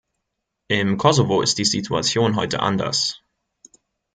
Im Kosovo ist die Situation heute anders.